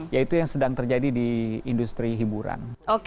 yaitu yang sedang terjadi di industri hiburan